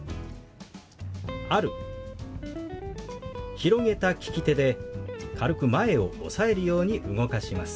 広げた利き手で軽く前を押さえるように動かします。